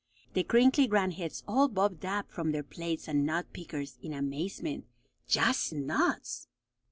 The crinkly grandheads all bobbed up from their plates and nut pickers in amazement. Just nuts!